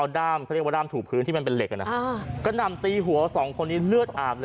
ด้ามเขาเรียกว่าด้ามถูกพื้นที่มันเป็นเหล็กอ่ะนะก็นำตีหัวสองคนนี้เลือดอาบเลย